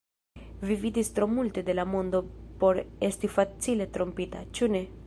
Vi vidis tro multe de la mondo por esti facile trompita; ĉu ne?